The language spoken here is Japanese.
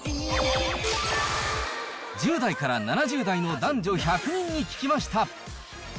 １０代から７０代の男女１００人に聞きました。